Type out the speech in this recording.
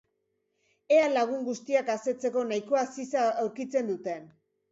Ea lagun guztiak asetzeko nahikoa ziza aurkitzen duten.